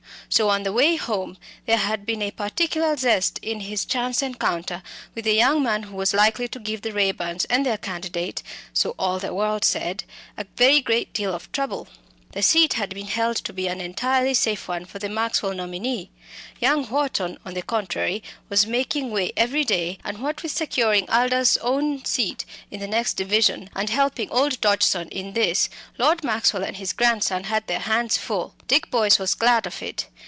So on the way home there had been a particular zest in his chance encounter with the young man who was likely to give the Raeburns and their candidate so all the world said a very great deal of trouble. The seat had been held to be an entirely safe one for the Maxwell nominee. Young Wharton, on the contrary, was making way every day, and, what with securing Aldous's own seat in the next division, and helping old Dodgson in this, Lord Maxwell and his grandson had their hands full. Dick Boyce was glad of it.